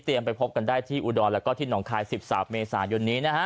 เตรียมไปพบกันได้ที่อุดรแล้วก็ที่นองคาย๑๓เมษายนน